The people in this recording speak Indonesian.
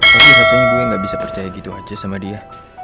tapi katanya gue gak bisa percaya gitu aja sama dia